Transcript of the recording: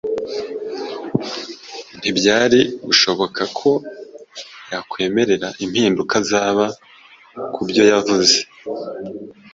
ntibyari gushoboka ko yakwemera impinduka zaba ku byo yavuze.